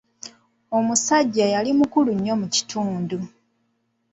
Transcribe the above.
Omusajja yali mukulu nnyo mu kitundu.